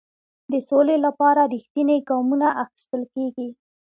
د سولې لپاره رښتیني ګامونه اخیستل کیږي.